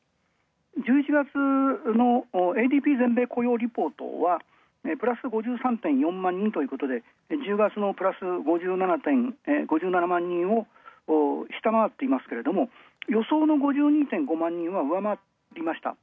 １１月のＡＤＰ全米雇用全米雇用リポートはプラス５３．４万人ということで１０月のプラス５７万人を下回っているが、予想の５２．２万人は上回りました。